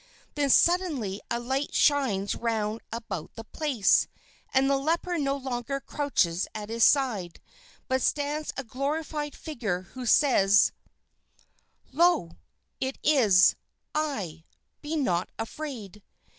Then suddenly a light shines round about the place, and the leper no longer crouches at his side, but stands a glorified figure who says: "Lo, it is I, be not afraid!